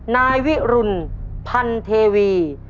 นายวิรุณพันเทวี